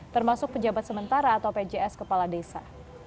termasuk pejabat sementara atau pjs kepala desa